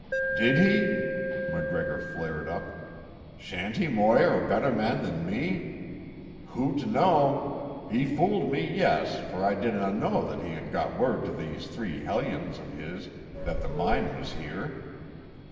"Did he?" MacGregor flared up. "Shanty Moir a better man than me? Hoot, no! He fooled me, yes, for I didna know that he'd got word to these three hellions of his that the mine was here.